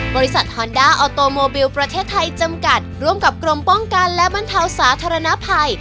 ฮอนด้าออโตโมบิลประเทศไทยจำกัดร่วมกับกรมป้องกันและบรรเทาสาธารณภัย